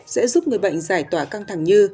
sẽ giúp người bệnh giải tỏa căng thẳng như